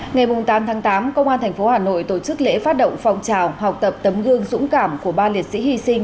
ngày tám tháng tám công an tp hà nội tổ chức lễ phát động phong trào học tập tấm gương dũng cảm của ba liệt sĩ hy sinh